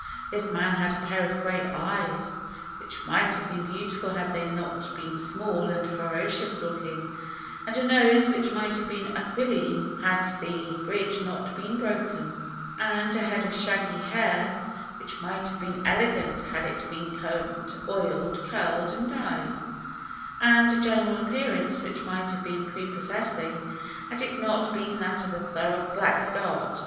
This man had a pair of grey eyes which might have been beautiful had they not been small and ferocious looking, and a nose which might have been aquiline had the bridge not been broken, and a head of shaggy hair which might have been elegant had it been combed, oiled, curled, and dyed, and a general appearance which might have been prepossessing had it not been that of a thorough blackguard.